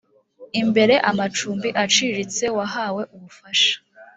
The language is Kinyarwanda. imbere amacumbi aciriritse wahawe ubufasha